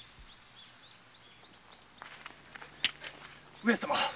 上様